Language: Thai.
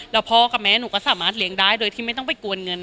แล้วพ่อกับแม่หนูก็สามารถเลี้ยงได้โดยที่ไม่ต้องไปกวนเงิน